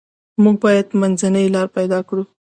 موږ باید منځنۍ لار پیدا کړو.